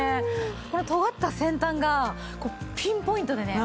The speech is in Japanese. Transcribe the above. これとがった先端がピンポイントでね。